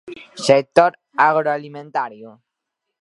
Sector agroalimentario.